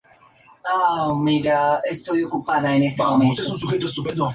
Muchos de los anarquistas españoles implicados decidieron volverse a España.